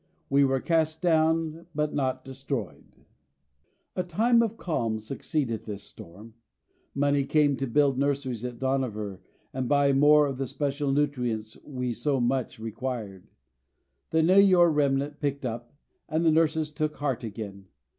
We were cast down, but not destroyed. A time of calm succeeded this storm. Money came to build nurseries at Dohnavur, and buy more of the special nutrients we so much required. The Neyoor remnant picked up, and the nurses took heart again.